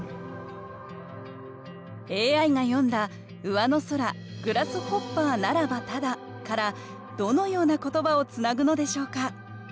ＡＩが詠んだ「上の空グラスホッパーならばただ」からどのような言葉をつなぐのでしょうか？